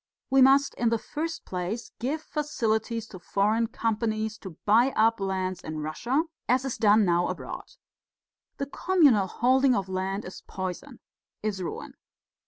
We must, in the first place, give facilities to foreign companies to buy up lands in Russia as is done now abroad. The communal holding of land is poison, is ruin.'